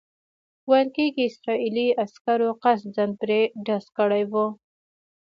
ویل کېږي اسرائیلي عسکرو قصداً پرې ډز کړی وو.